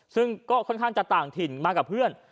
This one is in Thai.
ซึ่งก็ค่อนข้างจะต่างถิ่นมากับเพื่อน